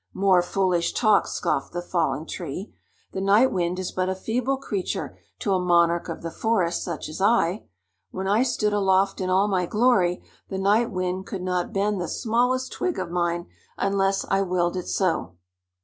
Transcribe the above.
"More foolish talk!" scoffed the Fallen Tree. "The Night Wind is but a feeble creature to a monarch of the forest, such as I. When I stood aloft in all my glory, the Night Wind could not bend the smallest twig of mine unless I willed it so."